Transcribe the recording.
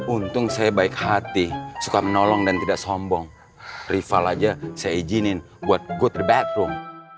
untung saya baik hati suka menolong dan tidak sombong rival aja saya izinin buat good the batroom